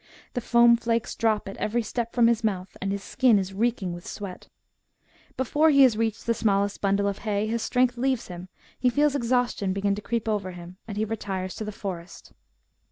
The foam flakes drop at every step from his mouth, and his skin is reeking with sweat. Before he has reached the smallest bundle of hay his strength leaves him, he feels exhaustion begin to creep over him, and he retires to the forest.